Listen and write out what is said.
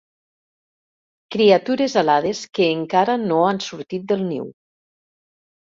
Criatures alades que encara no han sortit del niu.